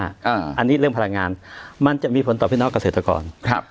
อันนี้เรื่องพลังงานมันจะมีผลต่อพี่น้องเกษตรกรครับ